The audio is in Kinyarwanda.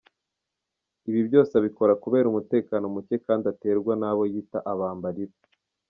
Ibi byose abikora kubera umutekano mucye kandi aterwa nabo yita abambari be.